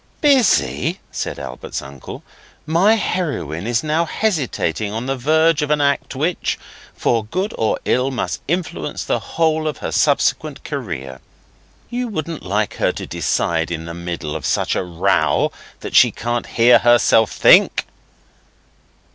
'Busy?' said Albert's uncle. 'My heroine is now hesitating on the verge of an act which, for good or ill, must influence her whole subsequent career. You wouldn't like her to decide in the middle of such a row that she can't hear herself think?